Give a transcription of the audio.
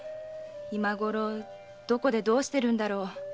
今ごろどこでどうしているんだろう。